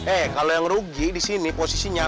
eh kalau yang rugi disini posisinya